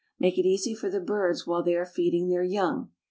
Make it easy for the birds while they are feeding their young.